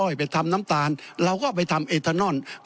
ไปทำน้ำตาลเราก็ไปทำเอทานอน